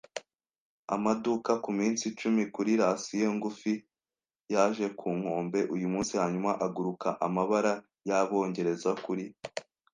amaduka kuminsi icumi kuri rasiyo ngufi, yaje ku nkombe uyumunsi hanyuma aguruka amabara yabongereza kuri